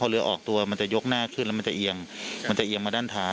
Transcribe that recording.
เอ่อนะครับ